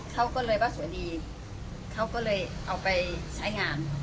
เขาก็เลยว่าสวยดีเขาก็เลยเอาไปใช้งาน